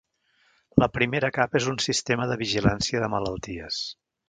La primera capa és un sistema de vigilància de malalties.